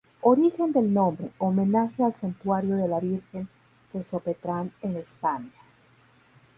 Origen del nombre: Homenaje al "Santuario de la Virgen de Sopetrán" en España.